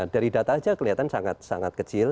dari data saja kelihatan sangat sangat kecil